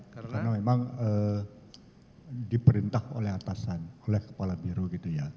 karena memang diperintah oleh atasan oleh kepala biru gitu ya